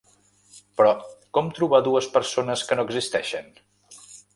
Però com trobar dues persones que no existeixen?